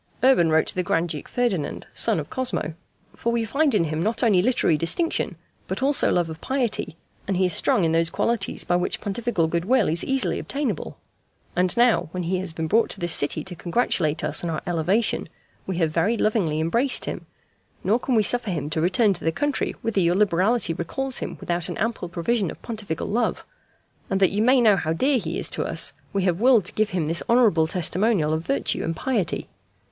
Urban wrote to the Grand Duke Ferdinand, son of Cosmo: "For We find in him not only literary distinction but also love of piety, and he is strong in those qualities by which Pontifical good will is easily obtainable. And now, when he has been brought to this city to congratulate Us on Our elevation, We have very lovingly embraced him; nor can We suffer him to return to the country whither your liberality recalls him without an ample provision of Pontifical love. And that you may know how dear he is to Us, We have willed to give him this honourable testimonial of virtue and piety.